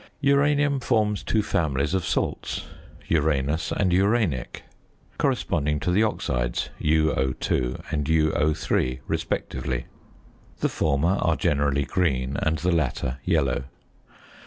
Uranium forms two families of salts, uranous and uranic; corresponding to the oxides UO_ and UO_ respectively. The former are generally green and the latter yellow.